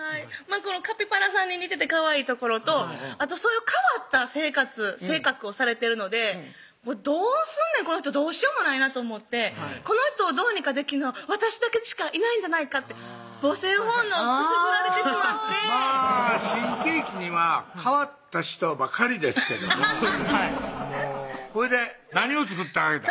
このカピバラさんに似ててかわいいところとあとそういう変わった生活・性格をされてるのでどうすんねんこの人どうしようもないなと思ってこの人をどうにかできんのは私だけしかいないんじゃないか母性本能くすぐられてしまってまぁ新喜劇には変わった人ばかりですけどもそうですはいほいで何を作ってあげたん？